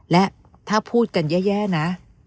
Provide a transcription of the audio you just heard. และถ้าพูดกันแย่นะ